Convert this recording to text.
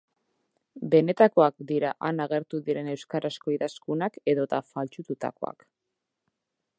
Benetakoak dira han agertu diren euskarazko idazkunak edota faltsututakoak?